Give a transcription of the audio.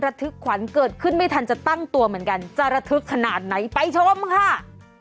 ทึกขวัญเกิดขึ้นไม่ทันจะตั้งตัวเหมือนกันจะระทึกขนาดไหนไปชมค่ะ